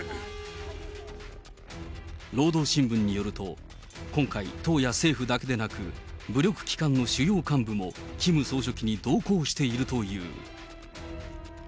労働新聞によると、今回、党や政府だけでなく、武力機関の主要幹部もキム総書記に同行しているという。